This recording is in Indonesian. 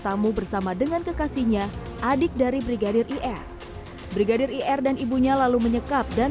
tamu bersama dengan kekasihnya adik dari brigadir ir brigadir ir dan ibunya lalu menyekap dan